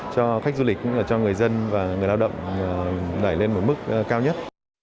cho khách du lịch cũng như là cho người dân và người lao động đẩy lên một mức cao nhất